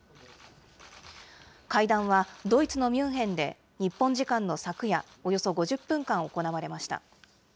会談は、ドイツのミュンヘンで日本時間の昨夜、およそ５０分間行われました。